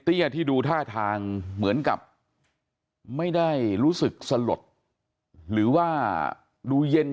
ที่ดูท่าทางเหมือนกับไม่ได้รู้สึกสลดหรือว่าดูเย็น